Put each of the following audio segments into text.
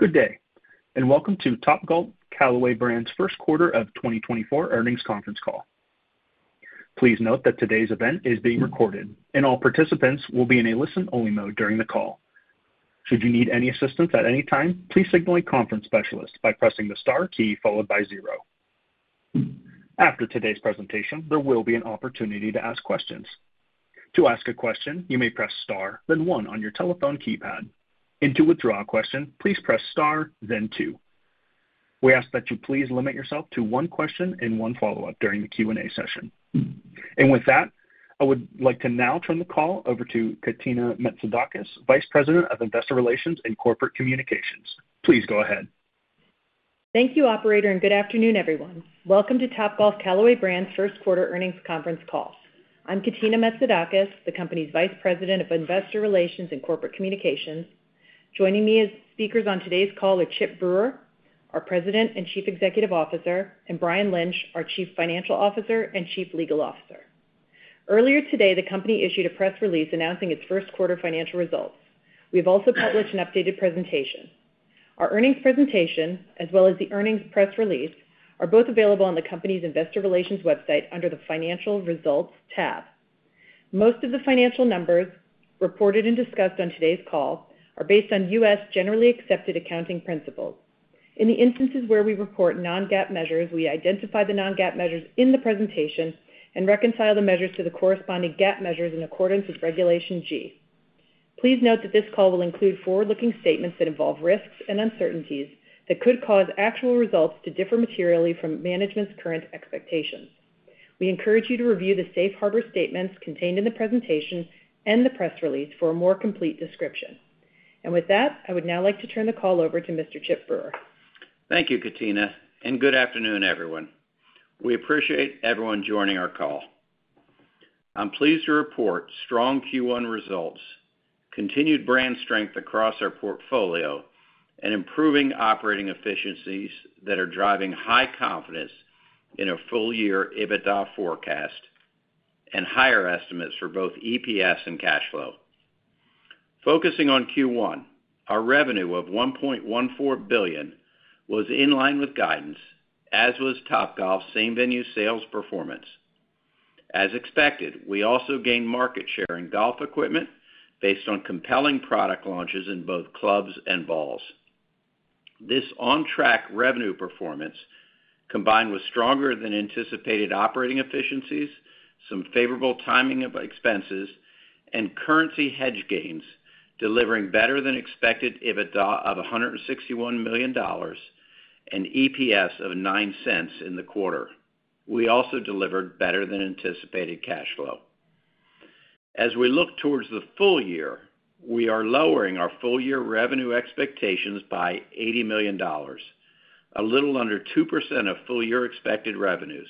Good day and welcome to Topgolf Callaway Brands' first quarter of 2024 earnings conference call. Please note that today's event is being recorded, and all participants will be in a listen-only mode during the call. Should you need any assistance at any time, please signal a conference specialist by pressing the star key followed by 0. After today's presentation, there will be an opportunity to ask questions. To ask a question, you may press star, then 1 on your telephone keypad. And to withdraw a question, please press star, then 2. We ask that you please limit yourself to one question and one follow-up during the Q&A session. And with that, I would like to now turn the call over to Katina Metzidakis, Vice President of Investor Relations and Corporate Communications. Please go ahead. Thank you, operator, and good afternoon, everyone. Welcome to Topgolf Callaway Brands' first quarter earnings conference call. I'm Katina Metzidakis, the company's Vice President of Investor Relations and Corporate Communications. Joining me as speakers on today's call are Chip Brewer, our President and Chief Executive Officer, and Brian Lynch, our Chief Financial Officer and Chief Legal Officer. Earlier today, the company issued a press release announcing its first quarter financial results. We have also published an updated presentation. Our earnings presentation, as well as the earnings press release, are both available on the company's Investor Relations website under the Financial Results tab. Most of the financial numbers reported and discussed on today's call are based on U.S. generally accepted accounting principles. In the instances where we report non-GAAP measures, we identify the non-GAAP measures in the presentation and reconcile the measures to the corresponding GAAP measures in accordance with Regulation G. Please note that this call will include forward-looking statements that involve risks and uncertainties that could cause actual results to differ materially from management's current expectations. We encourage you to review the safe harbor statements contained in the presentation and the press release for a more complete description. With that, I would now like to turn the call over to Mr. Chip Brewer. Thank you, Katina, and good afternoon, everyone. We appreciate everyone joining our call. I'm pleased to report strong Q1 results, continued brand strength across our portfolio, and improving operating efficiencies that are driving high confidence in a full-year EBITDA forecast and higher estimates for both EPS and cash flow. Focusing on Q1, our revenue of $1.14 billion was in line with guidance, as was Topgolf's same-venue sales performance. As expected, we also gained market share in golf equipment based on compelling product launches in both clubs and balls. This on-track revenue performance, combined with stronger-than-anticipated operating efficiencies, some favorable timing of expenses, and currency hedge gains delivering better-than-expected EBITDA of $161 million and EPS of $0.09 in the quarter. We also delivered better-than-anticipated cash flow. As we look towards the full year, we are lowering our full-year revenue expectations by $80 million, a little under 2% of full-year expected revenues,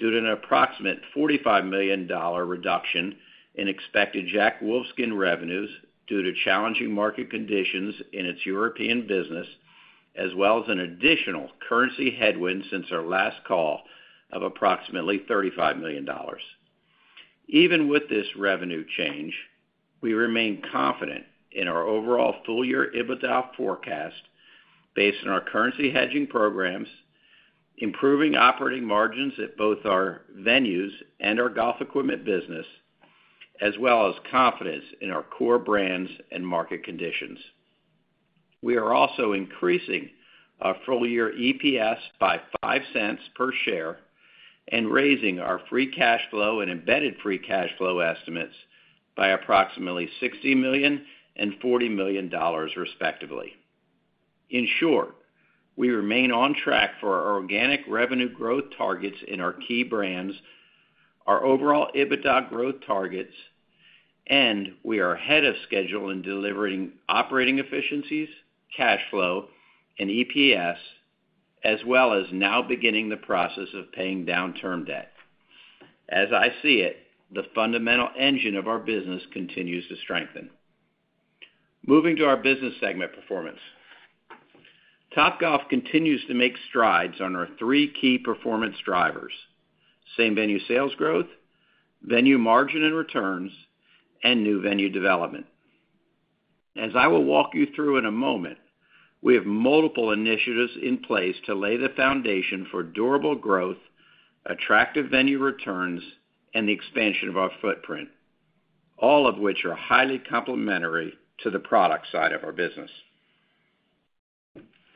due to an approximate $45 million reduction in expected Jack Wolfskin revenues due to challenging market conditions in its European business, as well as an additional currency headwind since our last call of approximately $35 million. Even with this revenue change, we remain confident in our overall full-year EBITDA forecast based on our currency hedging programs, improving operating margins at both our venues and our golf equipment business, as well as confidence in our core brands and market conditions. We are also increasing our full-year EPS by $0.05 per share and raising our free cash flow and embedded free cash flow estimates by approximately $60 million and $40 million, respectively. In short, we remain on track for our organic revenue growth targets in our key brands, our overall EBITDA growth targets, and we are ahead of schedule in delivering operating efficiencies, cash flow, and EPS, as well as now beginning the process of paying down term debt. As I see it, the fundamental engine of our business continues to strengthen. Moving to our business segment performance, Topgolf continues to make strides on our three key performance drivers: same-venue sales growth, venue margin and returns, and new venue development. As I will walk you through in a moment, we have multiple initiatives in place to lay the foundation for durable growth, attractive venue returns, and the expansion of our footprint, all of which are highly complementary to the product side of our business.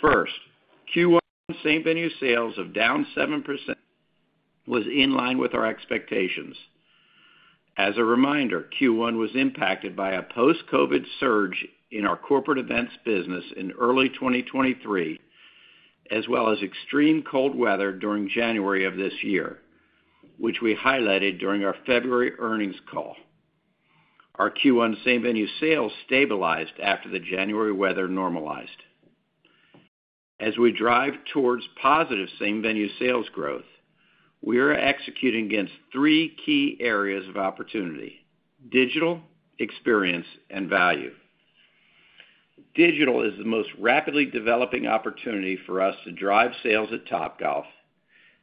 First, Q1 same-venue sales down 7% was in line with our expectations. As a reminder, Q1 was impacted by a post-COVID surge in our corporate events business in early 2023, as well as extreme cold weather during January of this year, which we highlighted during our February earnings call. Our Q1 same-venue sales stabilized after the January weather normalized. As we drive towards positive same-venue sales growth, we are executing against three key areas of opportunity: digital, experience, and value. Digital is the most rapidly developing opportunity for us to drive sales at Topgolf,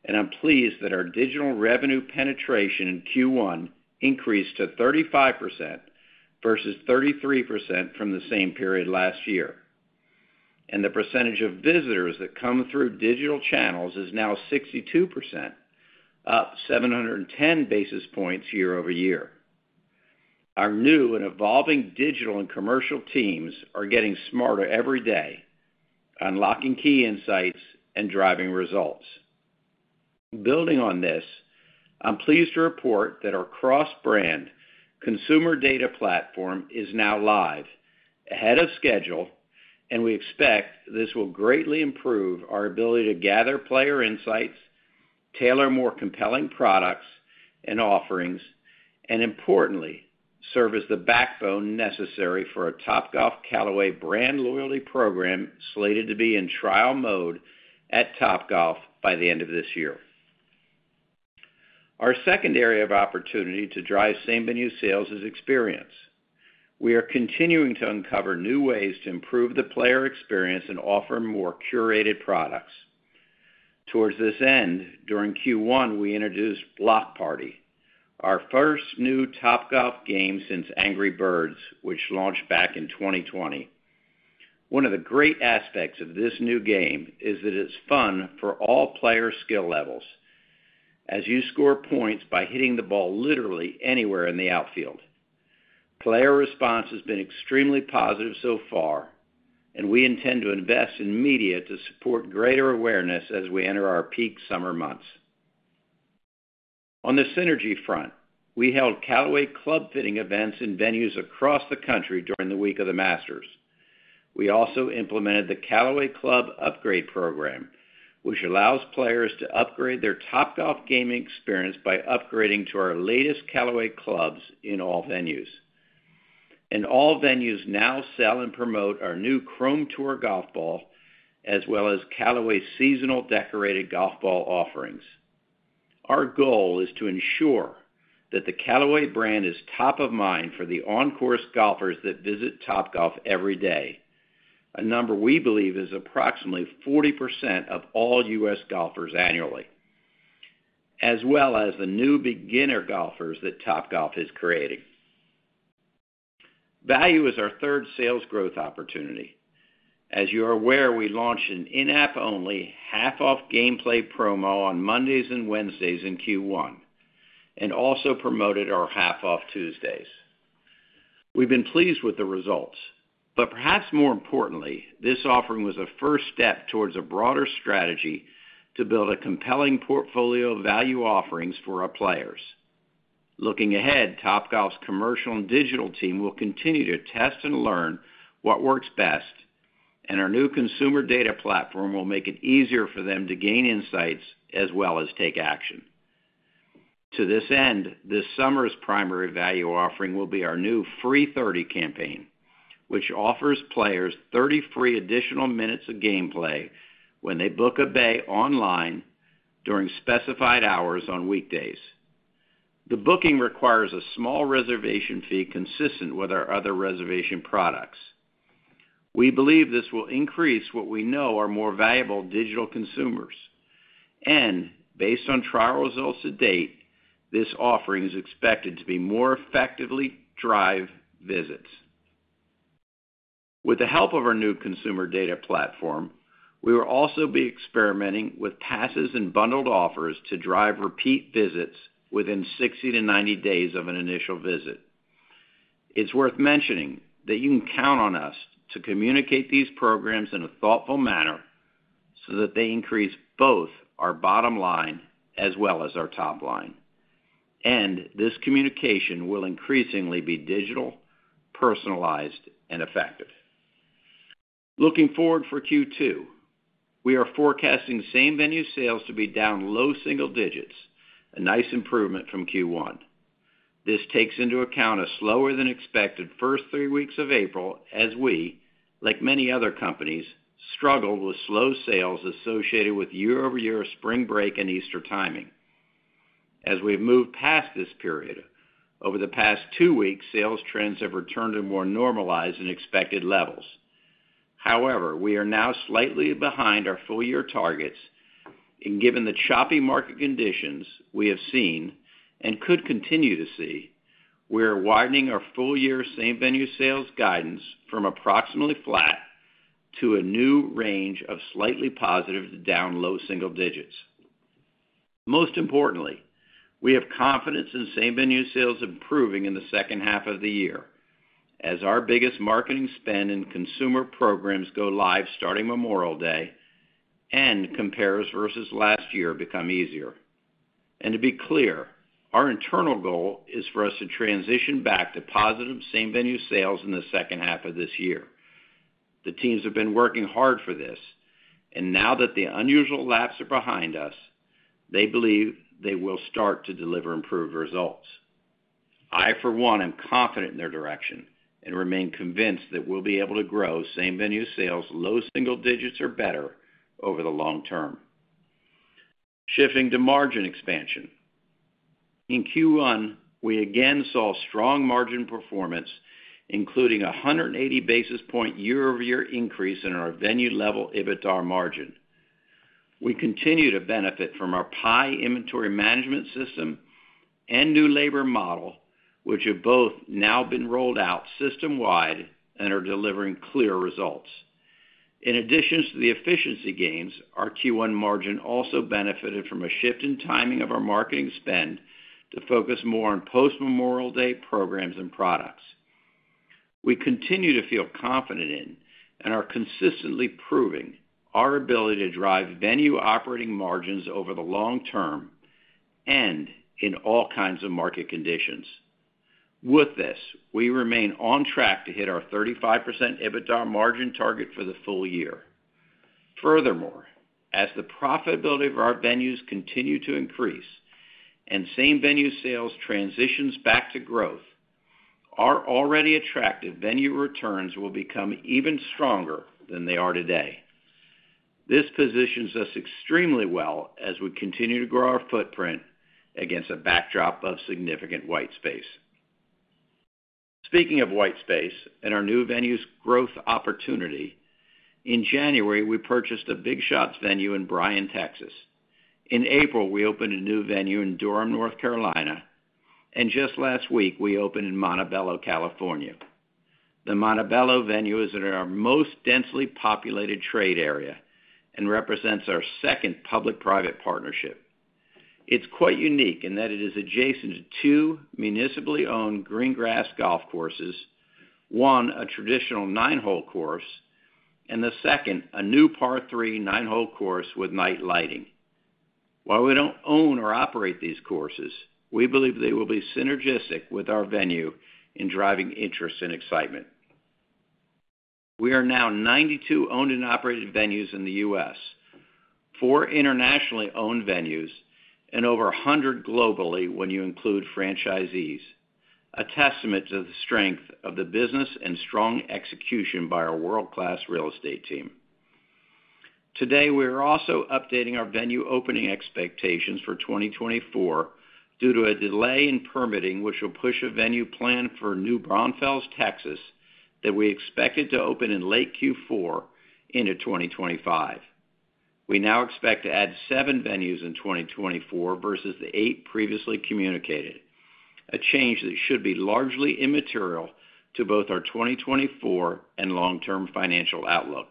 and I'm pleased that our digital revenue penetration in Q1 increased to 35% versus 33% from the same period last year. The percentage of visitors that come through digital channels is now 62%, up 710 basis points year-over-year. Our new and evolving digital and commercial teams are getting smarter every day, unlocking key insights and driving results. Building on this, I'm pleased to report that our cross-brand consumer data platform is now live, ahead of schedule, and we expect this will greatly improve our ability to gather player insights, tailor more compelling products and offerings, and importantly, serve as the backbone necessary for a Topgolf Callaway brand loyalty program slated to be in trial mode at Topgolf by the end of this year. Our second area of opportunity to drive same-venue sales is experience. We are continuing to uncover new ways to improve the player experience and offer more curated products. Toward this end, during Q1, we introduced Block Party, our first new Topgolf game since Angry Birds, which launched back in 2020. One of the great aspects of this new game is that it's fun for all player skill levels, as you score points by hitting the ball literally anywhere in the outfield. Player response has been extremely positive so far, and we intend to invest in media to support greater awareness as we enter our peak summer months. On the synergy front, we held Callaway club fitting events in venues across the country during the week of the Masters. We also implemented the Callaway Club Upgrade Program, which allows players to upgrade their Topgolf gaming experience by upgrading to our latest Callaway clubs in all venues. All venues now sell and promote our new Chrome Tour golf ball, as well as Callaway seasonal decorated golf ball offerings. Our goal is to ensure that the Callaway brand is top of mind for the on-course golfers that visit Topgolf every day, a number we believe is approximately 40% of all U.S. golfers annually, as well as the new beginner golfers that Topgolf is creating. Value is our third sales growth opportunity. As you are aware, we launched an in-app-only half-off gameplay promo on Mondays and Wednesdays in Q1 and also promoted our half-off Tuesdays. We've been pleased with the results, but perhaps more importantly, this offering was a first step towards a broader strategy to build a compelling portfolio of value offerings for our players. Looking ahead, Topgolf's commercial and digital team will continue to test and learn what works best, and our new consumer data platform will make it easier for them to gain insights as well as take action. To this end, this summer's primary value offering will be our new Free 30 campaign, which offers players 30 free additional minutes of gameplay when they book a bay online during specified hours on weekdays. The booking requires a small reservation fee consistent with our other reservation products. We believe this will increase what we know are more valuable digital consumers, and based on trial results to date, this offering is expected to more effectively drive visits. With the help of our new consumer data platform, we will also be experimenting with passes and bundled offers to drive repeat visits within 60-90 days of an initial visit. It's worth mentioning that you can count on us to communicate these programs in a thoughtful manner so that they increase both our bottom line as well as our top line, and this communication will increasingly be digital, personalized, and effective. Looking forward to Q2, we are forecasting same-venue sales to be down low-single-digits, a nice improvement from Q1. This takes into account a slower-than-expected first three weeks of April as we, like many other companies, struggled with slow sales associated with year-over-year spring break and Easter timing. As we've moved past this period, over the past two weeks, sales trends have returned to more normalized than expected levels. However, we are now slightly behind our full-year targets, and given the choppy market conditions we have seen and could continue to see, we are widening our full-year same-venue sales guidance from approximately flat to a new range of slightly positive to down low single digits. Most importantly, we have confidence in same-venue sales improving in the second half of the year as our biggest marketing spend in consumer programs go live starting Memorial Day and compares versus last year become easier. To be clear, our internal goal is for us to transition back to positive same-venue sales in the second half of this year. The teams have been working hard for this, and now that the unusual laps are behind us, they believe they will start to deliver improved results. I, for one, am confident in their direction and remain convinced that we'll be able to grow same-venue sales low single digits or better over the long term. Shifting to margin expansion, in Q1, we again saw strong margin performance, including a 180 basis point year-over-year increase in our venue-level EBITDA margin. We continue to benefit from our PIE inventory management system and new labor model, which have both now been rolled out system-wide and are delivering clear results. In addition to the efficiency gains, our Q1 margin also benefited from a shift in timing of our marketing spend to focus more on post-Memorial Day programs and products. We continue to feel confident in and are consistently proving our ability to drive venue operating margins over the long term and in all kinds of market conditions. With this, we remain on track to hit our 35% EBITDA margin target for the full year. Furthermore, as the profitability of our venues continue to increase and same-venue sales transitions back to growth, our already attractive venue returns will become even stronger than they are today. This positions us extremely well as we continue to grow our footprint against a backdrop of significant white space. Speaking of white space and our new venue's growth opportunity, in January, we purchased a BigShots venue in Bryan, Texas. In April, we opened a new venue in Durham, North Carolina, and just last week, we opened in Montebello, California. The Montebello venue is in our most densely populated trade area and represents our second public-private partnership. It's quite unique in that it is adjacent to two municipally owned green grass golf courses, one a traditional nine-hole course and the second a new par three nine-hole course with night lighting. While we don't own or operate these courses, we believe they will be synergistic with our venue in driving interest and excitement. We are now 92 owned and operated venues in the U.S., four internationally owned venues, and over 100 globally when you include franchisees, a testament to the strength of the business and strong execution by our world-class real estate team. Today, we are also updating our venue opening expectations for 2024 due to a delay in permitting which will push a venue plan for New Braunfels, Texas, that we expected to open in late Q4 into 2025. We now expect to add seven venues in 2024 versus the eight previously communicated, a change that should be largely immaterial to both our 2024 and long-term financial outlook.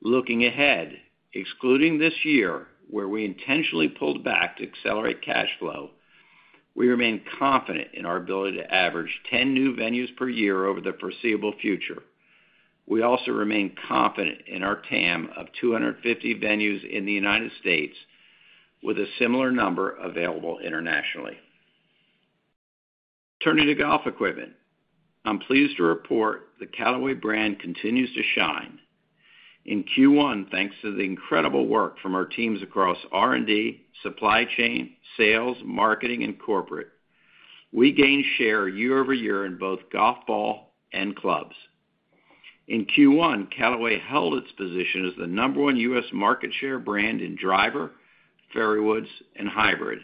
Looking ahead, excluding this year where we intentionally pulled back to accelerate cash flow, we remain confident in our ability to average 10 new venues per year over the foreseeable future. We also remain confident in our TAM of 250 venues in the United States with a similar number available internationally. Turning to golf equipment, I'm pleased to report the Callaway brand continues to shine. In Q1, thanks to the incredible work from our teams across R&D, supply chain, sales, marketing, and corporate, we gained share year-over-year in both golf ball and clubs. In Q1, Callaway held its position as the number one U.S. market share brand in driver, fairway woods, and hybrid.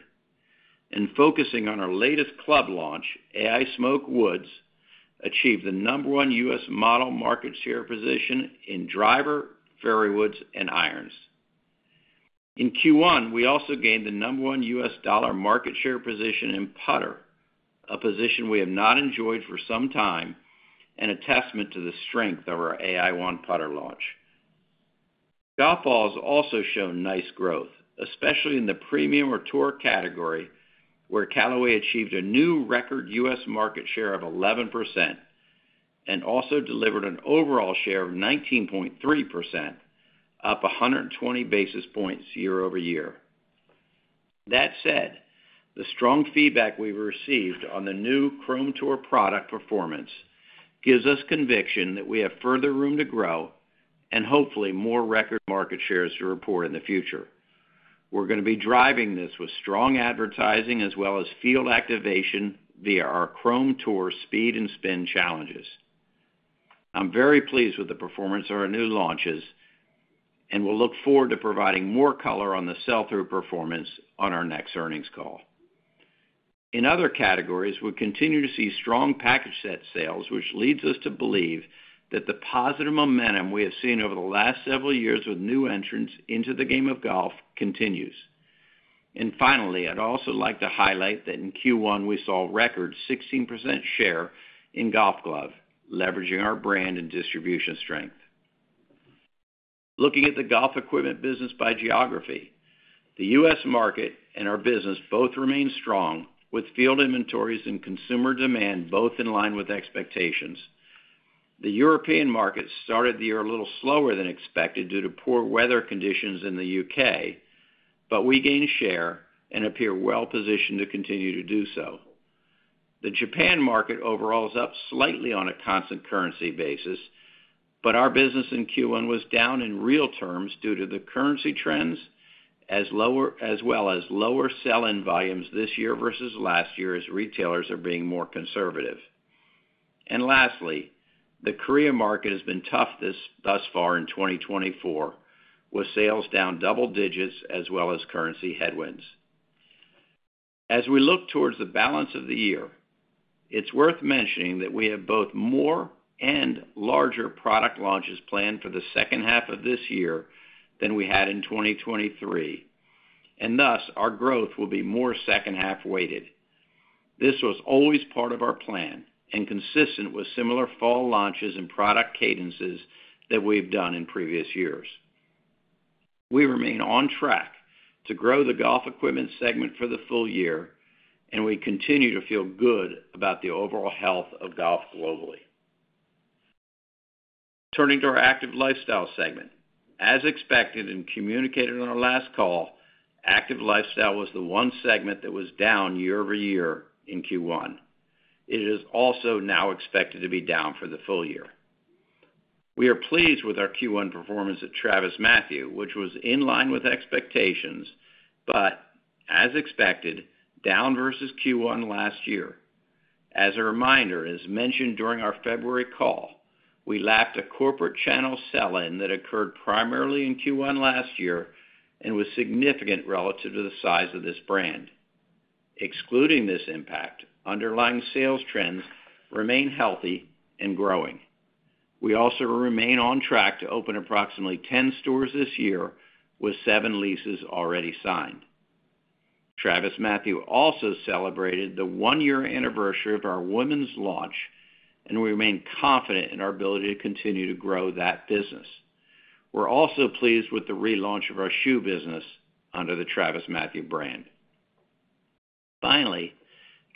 Focusing on our latest club launch, Ai Smoke woods, achieved the number one U.S. model market share position in driver, fairway woods, and irons. In Q1, we also gained the number one U.S. dollar market share position in putter, a position we have not enjoyed for some time and a testament to the strength of our Ai-ONE putter launch. Golf balls also show nice growth, especially in the premium or tour category where Callaway achieved a new record U.S. market share of 11% and also delivered an overall share of 19.3%, up 120 basis points year-over-year. That said, the strong feedback we've received on the new Chrome Tour product performance gives us conviction that we have further room to grow and hopefully more record market shares to report in the future. We're going to be driving this with strong advertising as well as field activation via our Chrome Tour speed and spin challenges. I'm very pleased with the performance of our new launches and will look forward to providing more color on the sell-through performance on our next earnings call. In other categories, we continue to see strong package set sales, which leads us to believe that the positive momentum we have seen over the last several years with new entrants into the game of golf continues. And finally, I'd also like to highlight that in Q1, we saw record 16% share in golf glove, leveraging our brand and distribution strength. Looking at the golf equipment business by geography, the U.S. market and our business both remain strong with field inventories and consumer demand both in line with expectations. The European market started the year a little slower than expected due to poor weather conditions in the U.K., but we gained share and appear well positioned to continue to do so. The Japan market overall is up slightly on a constant currency basis, but our business in Q1 was down in real terms due to the currency trends as well as lower sell-in volumes this year versus last year as retailers are being more conservative. Lastly, the Korea market has been tough thus far in 2024 with sales down double digits as well as currency headwinds. As we look towards the balance of the year, it's worth mentioning that we have both more and larger product launches planned for the second half of this year than we had in 2023, and thus our growth will be more second-half weighted. This was always part of our plan and consistent with similar fall launches and product cadences that we've done in previous years. We remain on track to grow the golf equipment segment for the full year, and we continue to feel good about the overall health of golf globally. Turning to our active lifestyle segment, as expected and communicated on our last call, active lifestyle was the one segment that was down year over year in Q1. It is also now expected to be down for the full year. We are pleased with our Q1 performance at TravisMathew, which was in line with expectations, but as expected, down versus Q1 last year. As a reminder, as mentioned during our February call, we lapped a corporate channel sell-in that occurred primarily in Q1 last year and was significant relative to the size of this brand. Excluding this impact, underlying sales trends remain healthy and growing. We also remain on track to open approximately 10 stores this year with seven leases already signed. TravisMathew also celebrated the one-year anniversary of our women's launch, and we remain confident in our ability to continue to grow that business. We're also pleased with the relaunch of our shoe business under the TravisMathew brand. Finally,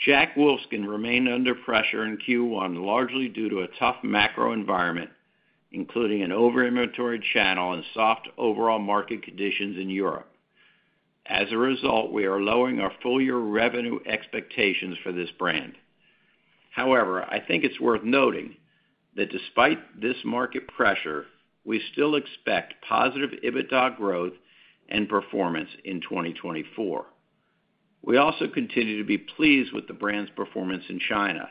Jack Wolfskin remained under pressure in Q1 largely due to a tough macro environment, including an over-inventory channel and soft overall market conditions in Europe. As a result, we are lowering our full-year revenue expectations for this brand. However, I think it's worth noting that despite this market pressure, we still expect positive EBITDA growth and performance in 2024. We also continue to be pleased with the brand's performance in China.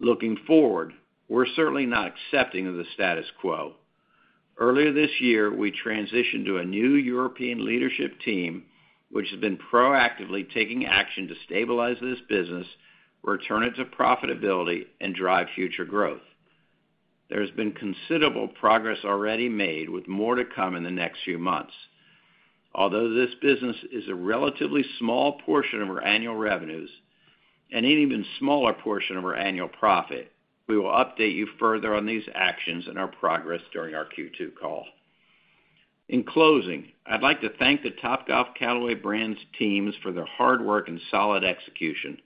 Looking forward, we're certainly not accepting of the status quo. Earlier this year, we transitioned to a new European leadership team, which has been proactively taking action to stabilize this business, return it to profitability, and drive future growth. There has been considerable progress already made with more to come in the next few months. Although this business is a relatively small portion of our annual revenues and an even smaller portion of our annual profit, we will update you further on these actions and our progress during our Q2 call. In closing, I'd like to thank the Topgolf Callaway Brands' teams for their hard work and solid execution.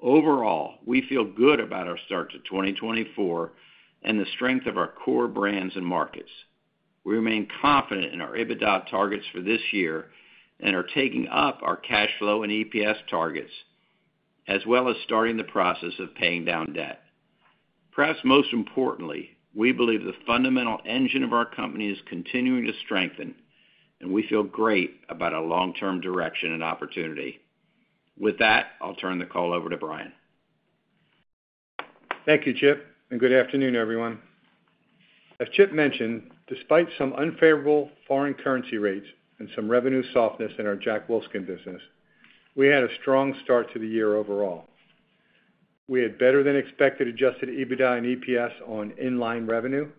Overall, we feel good about our start to 2024 and the strength of our core brands and markets. We remain confident in our EBITDA targets for this year and are taking up our cash flow and EPS targets as well as starting the process of paying down debt. Perhaps most importantly, we believe the fundamental engine of our company is continuing to strengthen, and we feel great about a long-term direction and opportunity. With that, I'll turn the call over to Brian. Thank you, Chip, and good afternoon, everyone. As Chip mentioned, despite some unfavorable foreign currency rates and some revenue softness in our Jack Wolfskin business, we had a strong start to the year overall. We had better than expected adjusted EBITDA and EPS on inline revenue.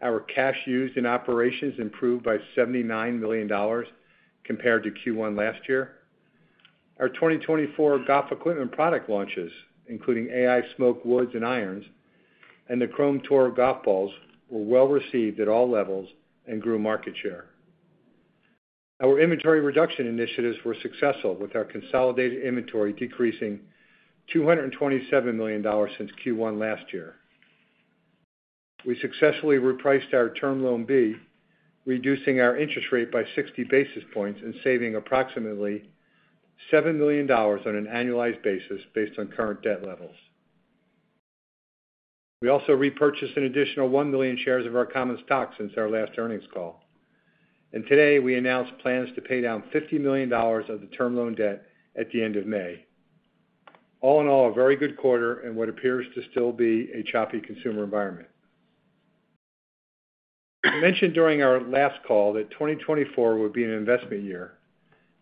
Our cash used in operations improved by $79 million compared to Q1 last year. Our 2024 golf equipment product launches, including Paradym Ai Smoke woods and irons and the Chrome Tour golf balls, were well received at all levels and grew market share. Our inventory reduction initiatives were successful, with our consolidated inventory decreasing $227 million since Q1 last year. We successfully repriced our Term Loan B, reducing our interest rate by 60 basis points and saving approximately $7 million on an annualized basis based on current debt levels. We also repurchased an additional 1 million shares of our common stock since our last earnings call, and today, we announced plans to pay down $50 million of the Term Loan B debt at the end of May. All in all, a very good quarter in what appears to still be a choppy consumer environment. I mentioned during our last call that 2024 would be an investment year,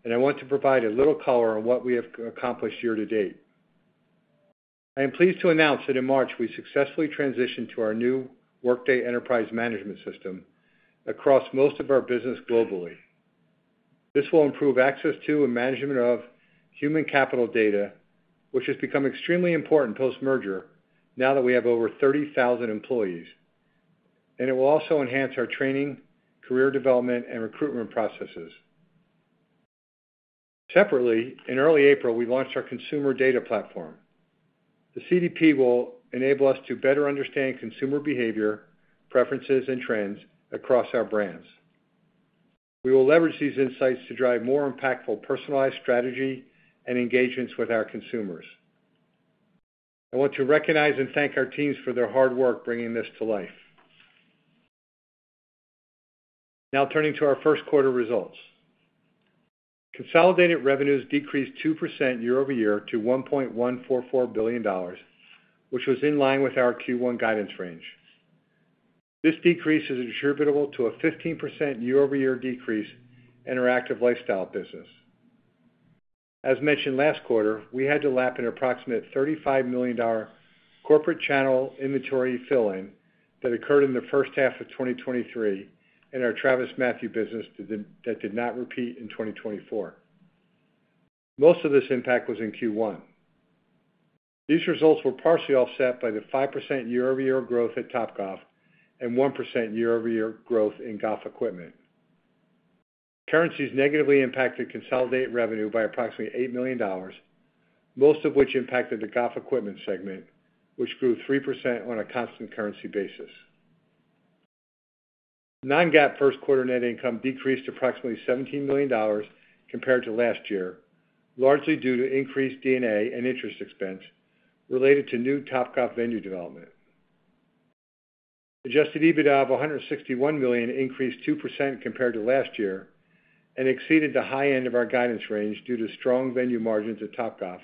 and I want to provide a little color on what we have accomplished year to date. I am pleased to announce that in March, we successfully transitioned to our new Workday Enterprise Management System across most of our business globally. This will improve access to and management of human capital data, which has become extremely important post-merger now that we have over 30,000 employees, and it will also enhance our training, career development, and recruitment processes. Separately, in early April, we launched our consumer data platform. The CDP will enable us to better understand consumer behavior, preferences, and trends across our brands. We will leverage these insights to drive more impactful personalized strategy and engagements with our consumers. I want to recognize and thank our teams for their hard work bringing this to life. Now, turning to our first quarter results. Consolidated revenues decreased 2% year-over-year to $1.144 billion, which was in line with our Q1 guidance range. This decrease is attributable to a 15% year-over-year decrease in our active lifestyle business. As mentioned last quarter, we had to lap an approximate $35 million corporate channel inventory fill-in that occurred in the first half of 2023 in our TravisMathew business that did not repeat in 2024. Most of this impact was in Q1. These results were partially offset by the 5% year-over-year growth at Topgolf and 1% year-over-year growth in golf equipment. Currencies negatively impacted consolidated revenue by approximately $8 million, most of which impacted the golf equipment segment, which grew 3% on a constant currency basis. Non-GAAP first quarter net income decreased approximately $17 million compared to last year, largely due to increased D&A and interest expense related to new Topgolf venue development. Adjusted EBITDA of $161 million increased 2% compared to last year and exceeded the high end of our guidance range due to strong venue margins at Topgolf,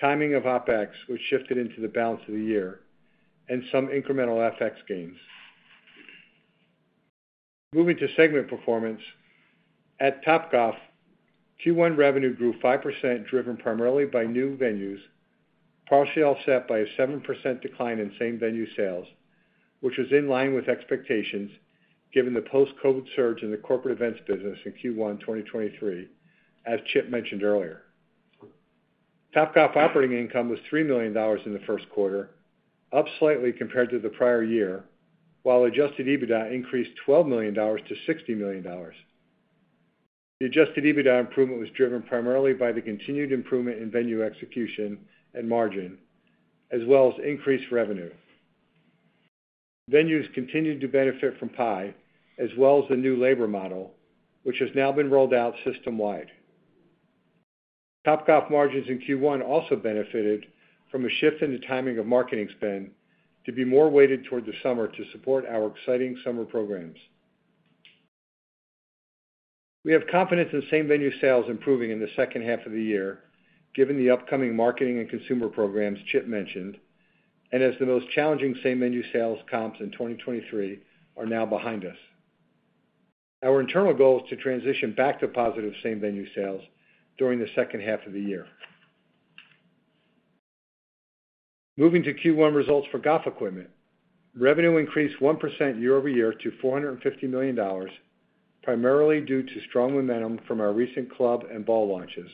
timing of OpEx which shifted into the balance of the year, and some incremental FX gains. Moving to segment performance, at Topgolf, Q1 revenue grew 5% driven primarily by new venues, partially offset by a 7% decline in same venue sales, which was in line with expectations given the post-COVID surge in the corporate events business in Q1 2023, as Chip mentioned earlier. Topgolf operating income was $3 million in the first quarter, up slightly compared to the prior year, while adjusted EBITDA increased $12 million to $60 million. The Adjusted EBITDA improvement was driven primarily by the continued improvement in venue execution and margin, as well as increased revenue. Venues continued to benefit from PIE as well as the new labor model, which has now been rolled out system-wide. Topgolf margins in Q1 also benefited from a shift in the timing of marketing spend to be more weighted toward the summer to support our exciting summer programs. We have confidence in same venue sales improving in the second half of the year given the upcoming marketing and consumer programs Chip mentioned, and as the most challenging same venue sales comps in 2023 are now behind us. Our internal goal is to transition back to positive same venue sales during the second half of the year. Moving to Q1 results for golf equipment, revenue increased 1% year-over-year to $450 million, primarily due to strong momentum from our recent club and ball launches,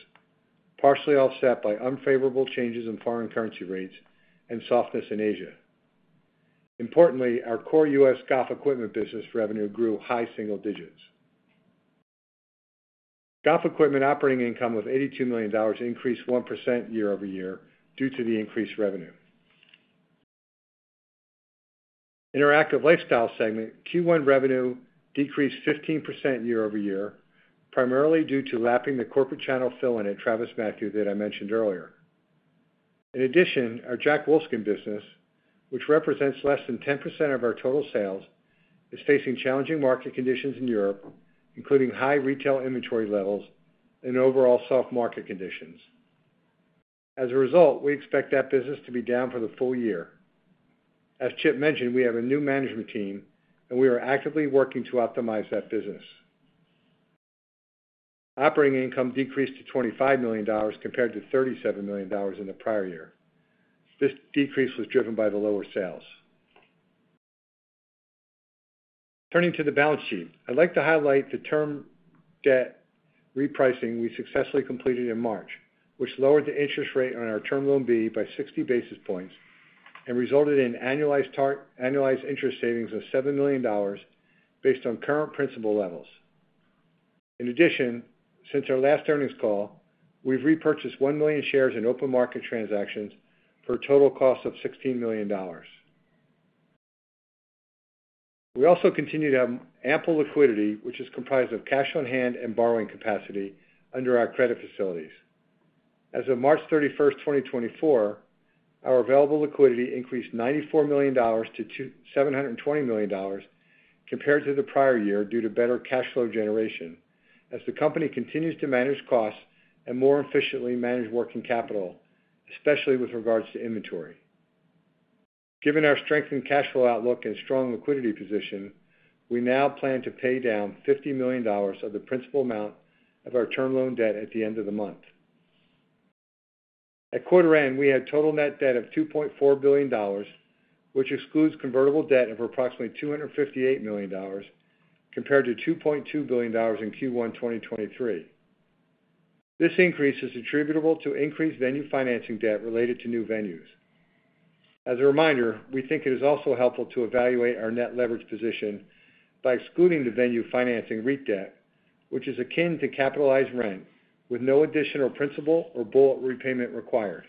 partially offset by unfavorable changes in foreign currency rates and softness in Asia. Importantly, our core U.S. golf equipment business revenue grew high single digits. Golf equipment operating income of $82 million increased 1% year-over-year due to the increased revenue. In our active lifestyle segment, Q1 revenue decreased 15% year-over-year, primarily due to lapping the corporate channel fill-in at TravisMathew that I mentioned earlier. In addition, our Jack Wolfskin business, which represents less than 10% of our total sales, is facing challenging market conditions in Europe, including high retail inventory levels and overall soft market conditions. As a result, we expect that business to be down for the full year. As Chip mentioned, we have a new management team, and we are actively working to optimize that business. Operating income decreased to $25 million compared to $37 million in the prior year. This decrease was driven by the lower sales. Turning to the balance sheet, I'd like to highlight the Term Loan repricing we successfully completed in March, which lowered the interest rate on our Term Loan B by 60 basis points and resulted in annualized interest savings of $7 million based on current principal levels. In addition, since our last earnings call, we've repurchased 1 million shares in open market transactions for a total cost of $16 million. We also continue to have ample liquidity, which is comprised of cash on hand and borrowing capacity under our credit facilities. As of March 31, 2024, our available liquidity increased $94 million to $720 million compared to the prior year due to better cash flow generation, as the company continues to manage costs and more efficiently manage working capital, especially with regards to inventory. Given our strengthened cash flow outlook and strong liquidity position, we now plan to pay down $50 million of the principal amount of our term loan debt at the end of the month. At quarter end, we had total net debt of $2.4 billion, which excludes convertible debt of approximately $258 million compared to $2.2 billion in Q1 2023. This increase is attributable to increased venue financing debt related to new venues. As a reminder, we think it is also helpful to evaluate our net leverage position by excluding the venue financing REIT debt, which is akin to capitalized rent with no additional principal or bullet repayment required.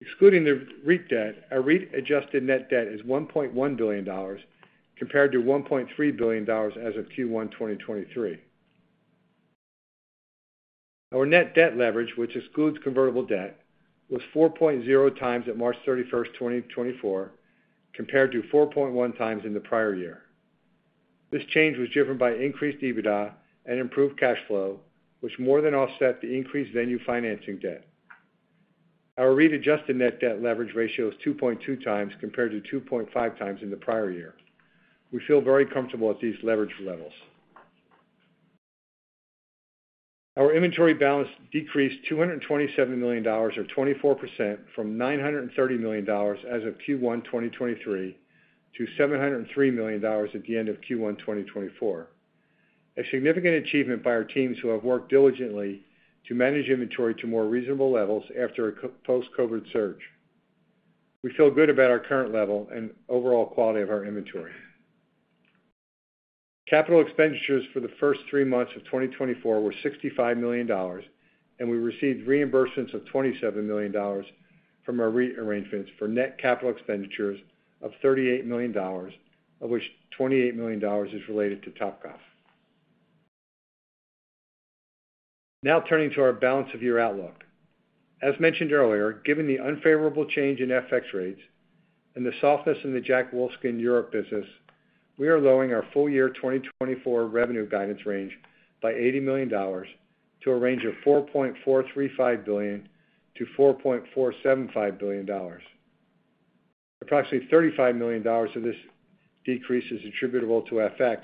Excluding the REIT debt, our REIT-adjusted net debt is $1.1 billion compared to $1.3 billion as of Q1 2023. Our net debt leverage, which excludes convertible debt, was 4.0x at March 31, 2024, compared to 4.1x in the prior year. This change was driven by increased EBITDA and improved cash flow, which more than offset the increased venue financing debt. Our REIT-adjusted net debt leverage ratio is 2.2x compared to 2.5x in the prior year. We feel very comfortable at these leverage levels. Our inventory balance decreased $227 million or 24% from $930 million as of Q1 2023 to $703 million at the end of Q1 2024, a significant achievement by our teams who have worked diligently to manage inventory to more reasonable levels after a post-COVID surge. We feel good about our current level and overall quality of our inventory. Capital expenditures for the first three months of 2024 were $65 million, and we received reimbursements of $27 million from our REIT arrangements for net capital expenditures of $38 million, of which $28 million is related to Topgolf. Now, turning to our balance of year outlook. As mentioned earlier, given the unfavorable change in FX rates and the softness in the Jack Wolfskin Europe business, we are lowering our full year 2024 revenue guidance range by $80 million to a range of $4.435 billion-$4.475 billion. Approximately $35 million of this decrease is attributable to FX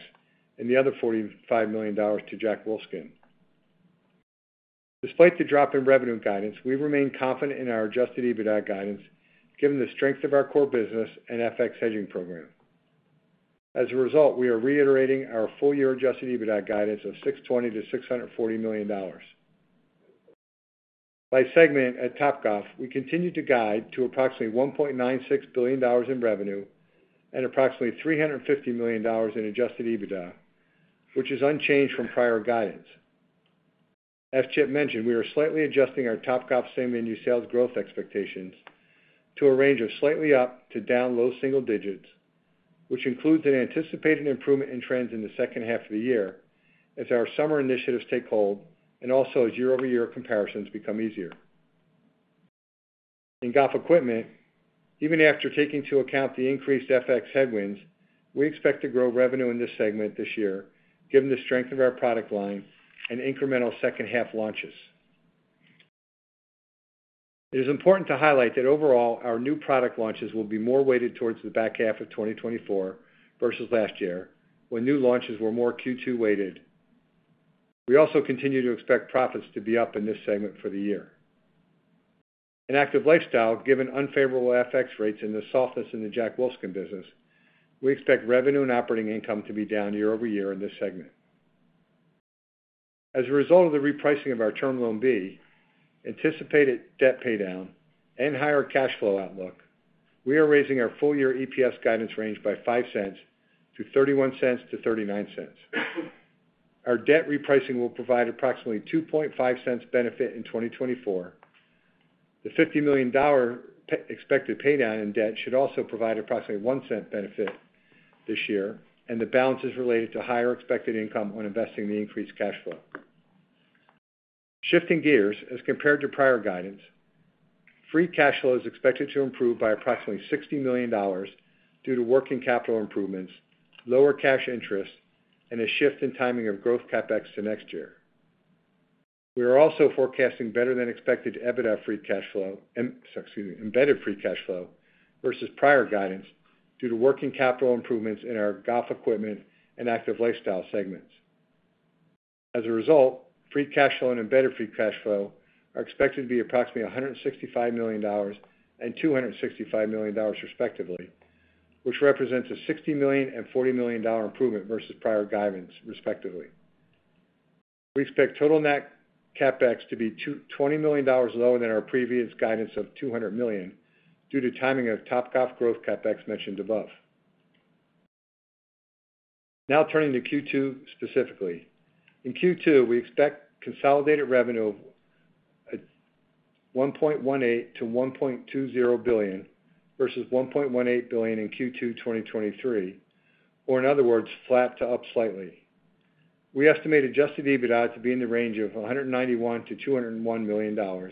and the other $45 million to Jack Wolfskin. Despite the drop in revenue guidance, we remain confident in our Adjusted EBITDA guidance given the strength of our core business and FX hedging program. As a result, we are reiterating our full-year Adjusted EBITDA guidance of $620-$640 million. By segment, at Topgolf, we continue to guide to approximately $1.96 billion in revenue and approximately $350 million in Adjusted EBITDA, which is unchanged from prior guidance. As Chip mentioned, we are slightly adjusting our Topgolf same-venue sales growth expectations to a range of slightly up to down low single digits, which includes an anticipated improvement in trends in the second half of the year as our summer initiatives take hold and also as year-over-year comparisons become easier. In golf equipment, even after taking into account the increased FX headwinds, we expect to grow revenue in this segment this year given the strength of our product line and incremental second half launches. It is important to highlight that overall, our new product launches will be more weighted towards the back half of 2024 versus last year, when new launches were more Q2 weighted. We also continue to expect profits to be up in this segment for the year. In active lifestyle, given unfavorable FX rates and the softness in the Jack Wolfskin business, we expect revenue and operating income to be down year-over-year in this segment. As a result of the repricing of our Term Loan B, anticipated debt paydown, and higher cash flow outlook, we are raising our full year EPS guidance range by $0.05 to $0.31-$0.39. Our debt repricing will provide approximately $0.025 benefit in 2024. The $50 million expected paydown in debt should also provide approximately $0.01 benefit this year, and the balance is related to higher expected income on investing the increased cash flow. Shifting gears as compared to prior guidance, free cash flow is expected to improve by approximately $60 million due to working capital improvements, lower cash interest, and a shift in timing of growth CapEx to next year. We are also forecasting better-than-expected EBITDA, free cash flow, embedded free cash flow versus prior guidance due to working capital improvements in our golf equipment and active lifestyle segments. As a result, free cash flow and embedded free cash flow are expected to be approximately $165 million and $265 million respectively, which represents a $60 million and $40 million improvement versus prior guidance respectively. We expect total net CapEx to be $20 million lower than our previous guidance of $200 million due to timing of Topgolf growth CapEx mentioned above. Now, turning to Q2 specifically. In Q2, we expect consolidated revenue of $1.18-$1.20 billion versus $1.18 billion in Q2 2023, or in other words, flat to up slightly. We estimate adjusted EBITDA to be in the range of $191-$201 million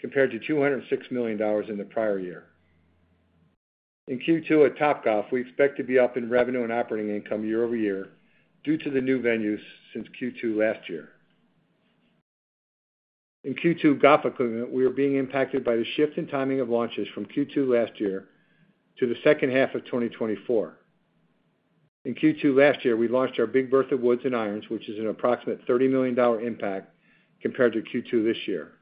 compared to $206 million in the prior year. In Q2 at Topgolf, we expect to be up in revenue and operating income year over year due to the new venues since Q2 last year. In Q2, golf equipment, we are being impacted by the shift in timing of launches from Q2 last year to the second half of 2024. In Q2 last year, we launched our Big Bertha woods and irons, which is an approximate $30 million impact compared to Q2 this year.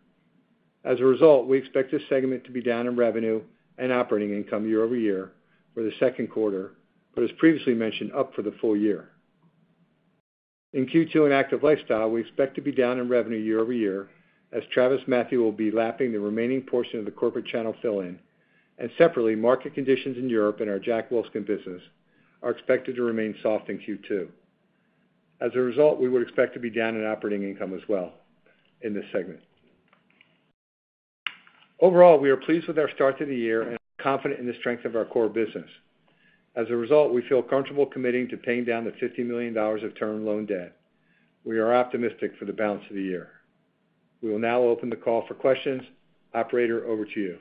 As a result, we expect this segment to be down in revenue and operating income year-over-year for the second quarter, but as previously mentioned, up for the full year. In Q2 in active lifestyle, we expect to be down in revenue year-over-year as TravisMathew will be lapping the remaining portion of the corporate channel fill-in, and separately, market conditions in Europe and our Jack Wolfskin business are expected to remain soft in Q2. As a result, we would expect to be down in operating income as well in this segment. Overall, we are pleased with our start to the year and confident in the strength of our core business. As a result, we feel comfortable committing to paying down the $50 million of term loan debt. We are optimistic for the balance of the year. We will now open the call for questions. Operator, over to you.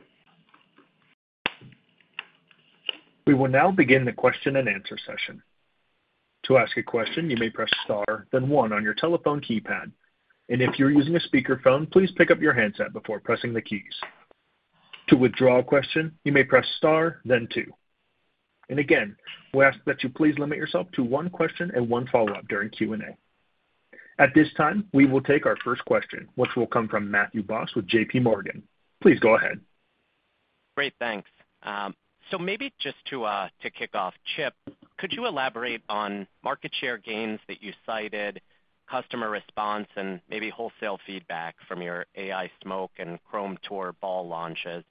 We will now begin the question and answer session. To ask a question, you may press * then 1 on your telephone keypad. And if you're using a speakerphone, please pick up your handset before pressing the keys. To withdraw a question, you may press * then 2. And again, we ask that you please limit yourself to one question and one follow-up during Q&A. At this time, we will take our first question, which will come from Matthew Boss with JPMorgan. Please go ahead. Great. Thanks. So maybe just to kick off, Chip, could you elaborate on market share gains that you cited, customer response, and maybe wholesale feedback from your AI Smoke and Chrome Tour ball launches?